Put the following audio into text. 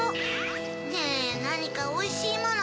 ねぇなにかおいしいもの